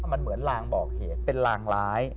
มันเหมือนลางบอกเหตุเป็นลางร้าย